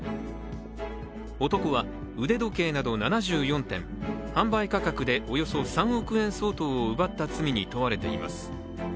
男は腕時計など７４点、販売価格でおよそ３億円相当を奪った罪に問われています。